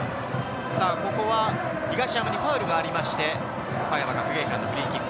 ここは東山にファウルがありまして、岡山学芸館のフリーキック。